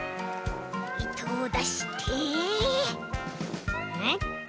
いとをだしてそれっ！